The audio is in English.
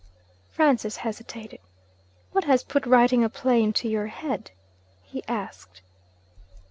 Francis hesitated. 'What has put writing a play into your head?' he asked.